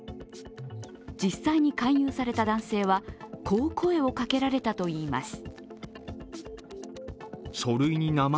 実際に勧誘された男性は、こう声をかけられたといいます。